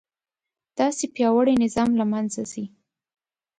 داسې پیاوړی نظام له منځه ځي.